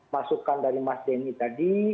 masukan dari mas denny tadi